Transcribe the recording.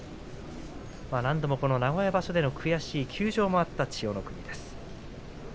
何度もこの名古屋場所での悔しい休場もあった千代の国です。